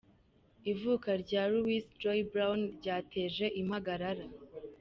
Ivuka rya Louise Joy Brown ryateje impagarara.